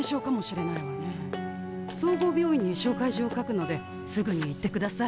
総合病院に紹介状を書くのですぐに行ってください。